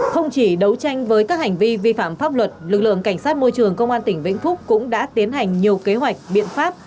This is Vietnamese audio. không chỉ đấu tranh với các hành vi vi phạm pháp luật lực lượng cảnh sát môi trường công an tỉnh vĩnh phúc cũng đã tiến hành nhiều kế hoạch biện pháp